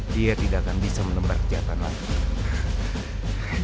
dia tidak akan bisa menembak kejahatan lagi